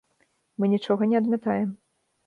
Мы нічога не адмятаем.